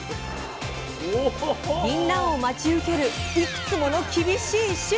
ぎんなんを待ち受けるいくつもの厳しい試練とは？